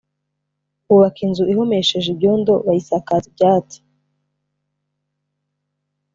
bubaka inzu ihomesheje ibyondo bayisakaza ibyatsi